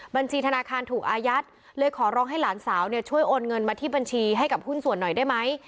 บัญชีธนาคารถูกอายัดเลยขอร้องให้หลานสาวเนี่ยช่วยโอนเงินมาที่บัญชีให้กับหุ้นส่วนหน่อยได้ไหม